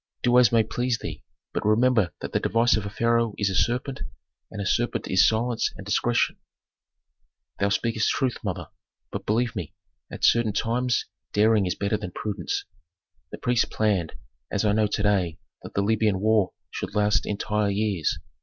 "Do as may please thee, but remember that the device of a pharaoh is a serpent, and a serpent is silence and discretion." "Thou speakest truth, mother, but believe me, at certain times daring is better than prudence. The priests planned, as I know to day, that the Libyan war should last entire years.